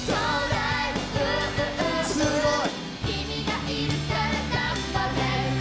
すごい！